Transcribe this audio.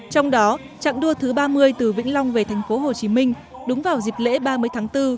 trong đó chặng đua thứ ba mươi từ vĩnh long về tp hcm đúng vào dịp lễ ba mươi tháng bốn